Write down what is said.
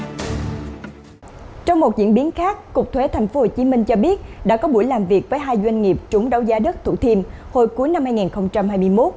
trong một diễn biến khác cục thuế tp hcm cho biết đã có buổi làm việc với hai doanh nghiệp trúng đấu giá đất thủ thiêm hồi cuối năm hai nghìn hai mươi một